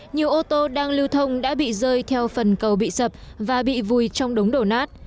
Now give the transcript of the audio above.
nhiều ô tô đang lưu thông đã bị rơi theo phần cầu bị sập và bị vùi trong đống đổ nát